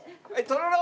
とろろ！